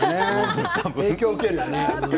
影響受けるよね。